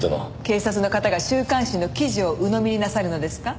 警察の方が週刊誌の記事をうのみになさるのですか？